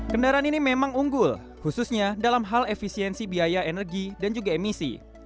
kendaraan ini memang unggul khususnya dalam hal efisiensi biaya energi dan juga emisi